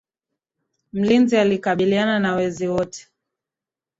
Mlinzi alikabiliana na wezi wote